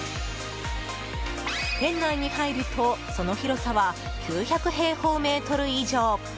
店内に入ると、その広さは９００平方メートル以上！